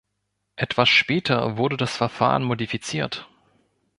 Etwas später wurde das Verfahren modifiziert.